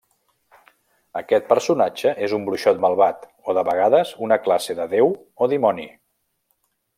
Aquest personatge és un bruixot malvat, o de vegades una classe de déu o dimoni.